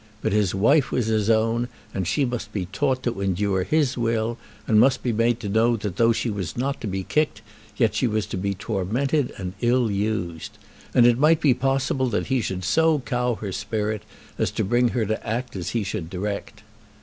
But his wife was his own, and she must be taught to endure his will, and must be made to know that though she was not to be kicked, yet she was to be tormented and ill used. And it might be possible that he should so cow her spirit as to bring her to act as he should direct.